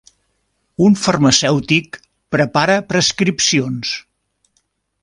Un farmacèutic prepara prescripcions